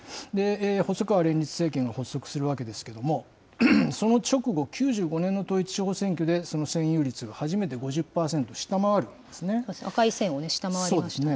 細川連立政権が発足するわけですけれども、その直後、９５年の統一地方選挙で、その占有率が初めて５０％を下回るんで赤い線を下回りましたね。